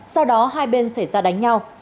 sau đó hai bên xảy ra đánh nhau